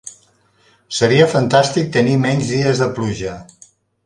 Seria fantàstic tenir menys dies de pluja.